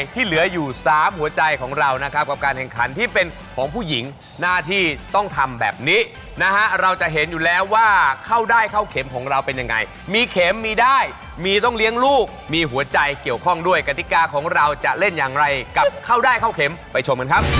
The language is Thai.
ที่เหลืออยู่๓หัวใจของเรานะครับกับการแข่งขันที่เป็นของผู้หญิงหน้าที่ต้องทำแบบนี้นะฮะเราจะเห็นอยู่แล้วว่าเข้าได้เข้าเข็มของเราเป็นยังไงมีเข็มมีได้มีต้องเลี้ยงลูกมีหัวใจเกี่ยวข้องด้วยกติกาของเราจะเล่นอย่างไรกลับเข้าได้เข้าเข็มไปชมกันครับ